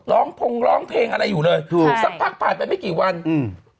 พงร้องเพลงอะไรอยู่เลยถูกสักพักผ่านไปไม่กี่วันอืม